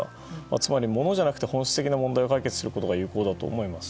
つまり、ものじゃなくて本質的な問題を解決することが有効だと思います。